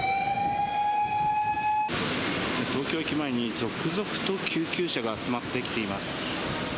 東京駅前に、続々と救急車が集まってきています。